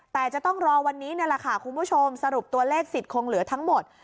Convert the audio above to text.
แต่จะต้องรอวันนี้ล่ะคุณผู้ชมสรุปตัวเลข๑๐คงเหลือทั้งหมด